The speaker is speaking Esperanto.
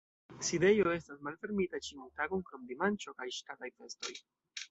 Sidejo estas malfermita ĉiun tagon krom dimanĉo kaj ŝtataj festoj.